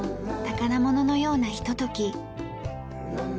宝物のようなひととき。